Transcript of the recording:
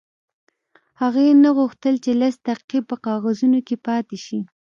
هغې نه غوښتل چې لس دقیقې په کاغذونو کې پاتې شي